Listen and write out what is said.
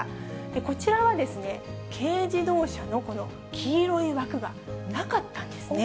こちらは、軽自動車の黄色い枠がなかったんですね。